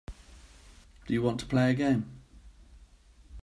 Do you want to play a game?